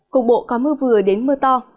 cục bộ có mưa vừa đến mưa to